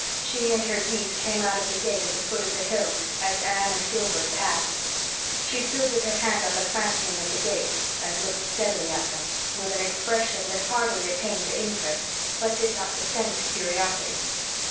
She and her geese came out of the gate at the foot of the hill as Anne and Gilbert passed. She stood with her hand on the fastening of the gate, and looked steadily at them, with an expression that hardly attained to interest, but did not descend to curiosity.